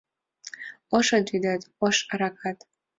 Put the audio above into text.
Ошыт вӱдет — ош аракат